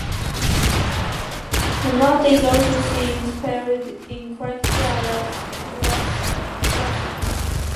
The knot is also seen spelled incorrectly as "prussic".